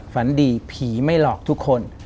ฝันดีผีไม่หลอกทุกคน